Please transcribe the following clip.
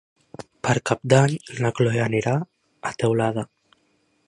Per Cap d'Any na Chloé anirà a Teulada.